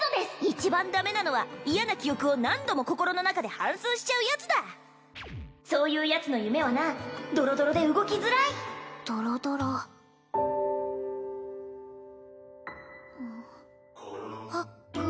一番ダメなのは嫌な記憶を何度も心の中で反すうしちゃうヤツだそういうヤツの夢はなドロドロで動きづらいドロドロ・コロンはっ！